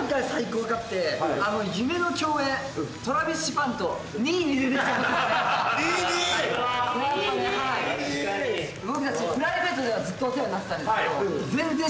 僕らプライベートではずっとお世話になってたんですけど。